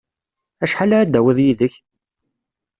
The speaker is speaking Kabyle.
Acḥal ara d-tawiḍ yid-k?